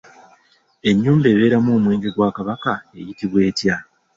Ennyumba ebeeramu omwenge gwa Kabaka eyitibwa etya?